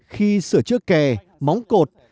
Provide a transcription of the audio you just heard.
khi sửa chữa kè móng cột